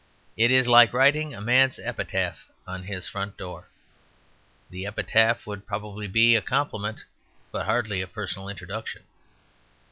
It is like writing a man's epitaph on his front door. The epitaph would probably be a compliment, but hardly a personal introduction.